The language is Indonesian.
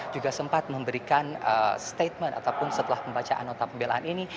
juga sempat memberikan statement ataupun setelah pembacaan nota pembelaan ini